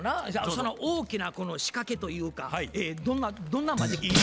その大きな仕掛けというかどんなマジックやったん？